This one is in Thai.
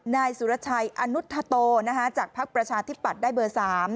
นายสุรชัยอนุธโตจากภักดิ์ประชาธิปัตย์ได้เบอร์๓